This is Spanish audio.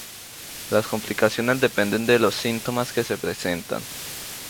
Las complicaciones dependen de los síntomas que se presenten.